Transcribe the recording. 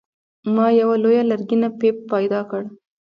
ما یوه لویه لرګینه پیپ پیدا کړه.